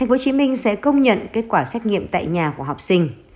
tp hcm sẽ công nhận kết quả xét nghiệm tại nhà của học sinh